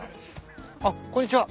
あっこんにちは。